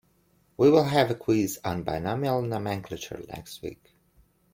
We will have a quiz on binomial nomenclature next week.